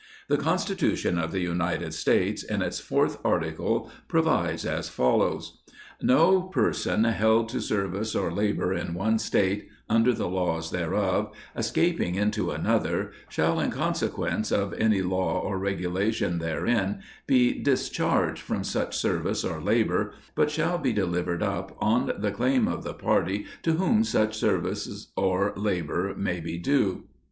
The Constitution of the United States, in its 4th Article, provides as follows : "No person held to service or labor in one State, under "the laws thereof, escaping into another, shall, in conse "quence of any law or regulation therein, be discharged "from such servico or labor, but shall be delivered up, on "claim of the party to whom such service or labor may be "due."